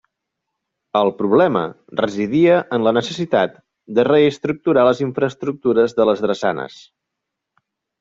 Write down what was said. El problema residia en la necessitat de reestructurar les infraestructures de les drassanes.